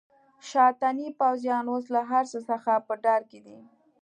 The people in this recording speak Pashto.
شاتني پوځیان اوس له هرڅه څخه په ډار کې دي.